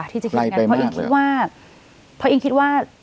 ที่จะคิดอย่างนั้นเพราะอิงคิดว่า